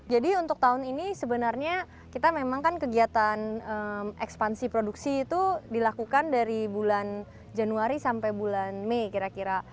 jadi untuk tahun ini sebenarnya kita memang kan kegiatan ekspansi produksi itu dilakukan dari bulan januari sampai bulan mei kira kira